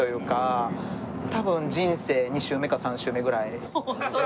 多分人生２周目か３周目ぐらい。